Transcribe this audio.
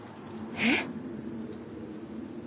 えっ！？